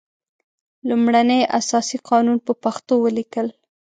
لومړنی اساسي قانون په پښتو ولیکل.